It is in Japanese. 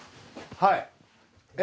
はい。